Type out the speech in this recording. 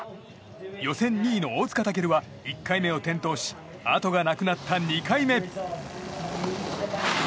予選２位の大塚健は１回目を転倒しあとがなくなった２回目。